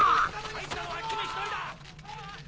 入ったのは姫１人だ！